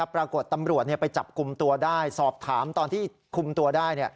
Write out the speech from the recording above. ปรากฏตำรวจไปจับกลุ่มตัวได้สอบถามตอนที่คุมตัวได้